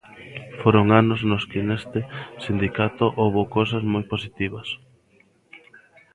Foron anos nos que neste sindicato houbo cousas moi positivas.